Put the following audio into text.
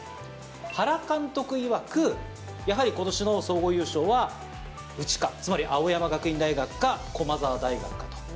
原監督いわく、やはりことしの総合優勝は、うちか、つまり青山学院大学か、駒澤大学かと。